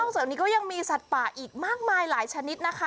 จากนี้ก็ยังมีสัตว์ป่าอีกมากมายหลายชนิดนะคะ